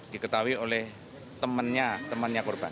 diketahui oleh temannya temannya korban